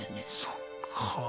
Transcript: そっか。